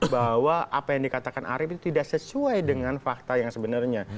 bahwa apa yang dikatakan arief itu tidak sesuai dengan fakta yang sebenarnya